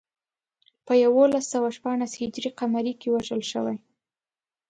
په یولس سوه شپاړس هجري قمري کې وژل شوی.